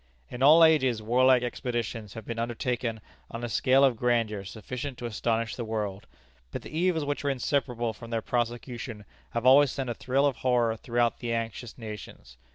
In all ages warlike expeditions have been undertaken on a scale of grandeur sufficient to astonish the world; but the evils which are inseparable from their prosecution have always sent a thrill of horror through the anxious nations.